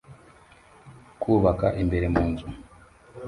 Kubaka imbere mu nzu